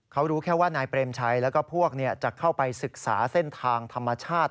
เขารู้แค่ว่านายเปรมชัยแล้วก็พวกจะเข้าไปศึกษาเส้นทางธรรมชาติ